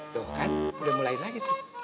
tuh kan udah mulai lagi tuh